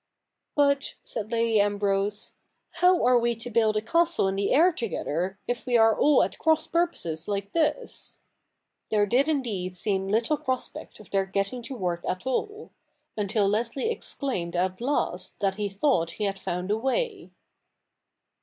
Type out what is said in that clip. ' But,' said Lady Ambrose, ' how are we to build a castle in the air together, if we are all at cross purposes like this ?' no THE NEW REPUBIJC [ck. ii There did indeed seem little prospect of their getting to work at all ; until Leslie exclaimed at last that he thought he had found a way.